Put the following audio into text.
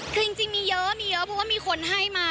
คือจริงมีเยอะมีเยอะเพราะว่ามีคนให้มา